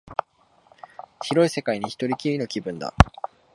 広い世界に一人きりの気分だ